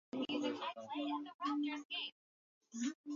Waliondoa taarifa na tuliacha nafasi hiyo wazi